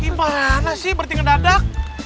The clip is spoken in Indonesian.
gimana sih berarti ngedadak